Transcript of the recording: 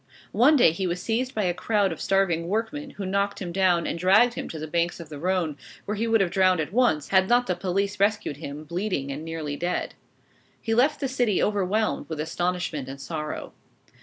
One day he was seized by a crowd of starving workmen, who knocked him down, and dragged him to the banks of the Rhone, where he would have been drowned at once, had not the police rescued him, bleeding and nearly dead. He left the city overwhelmed with astonishment and sorrow.